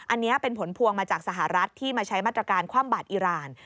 อันนี้เป็นผลพวงมาจากสหรัฐที่มาใช้มาตรการคว่ำบาดอิราณ